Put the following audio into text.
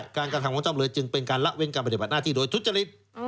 การการทำของเจ้าเหมือนเลยจึงเป็นการละเว้นการบริบัติหน้าที่โดยทุษฎฤทธิ์